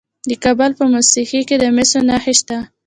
د کابل په موسهي کې د مسو نښې شته.